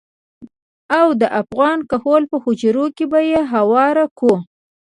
او د افغان کهول په حجره کې به يې هوار کړو.